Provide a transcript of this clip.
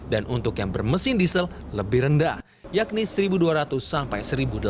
dan untuk yang bermesin diesel lebih rendah yakni seribu dua ratus sampai seribu delapan ratus